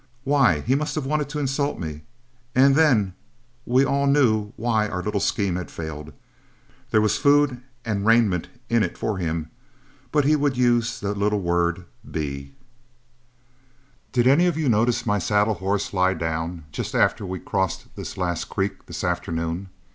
Why, he must have wanted to insult me. And then we all knew why our little scheme had failed. There was food and raiment in it for him, but he would use that little word 'be.'" "Did any of you notice my saddle horse lie down just after we crossed this last creek this afternoon?"